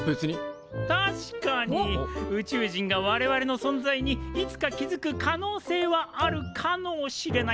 確かに宇宙人が我々の存在にいつか気付く可能性はあるかのうしれない。